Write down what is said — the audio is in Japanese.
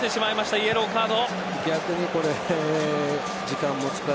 イエローカード。